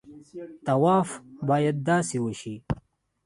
طواف باید داسې وشي.